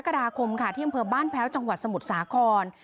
กราคมค่ะที่อำเภอบ้านแพ้วจังหวัดสมุทรสาคร